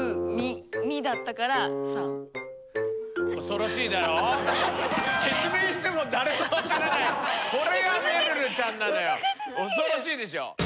恐ろしいでしょ。